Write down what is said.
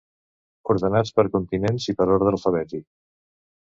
Ordenats per continents i per ordre alfabètic.